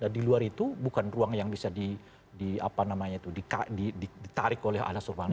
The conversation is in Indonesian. dan di luar itu bukan ruang yang bisa di apa namanya itu ditarik oleh anas urban ingrum